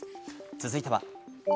続いては。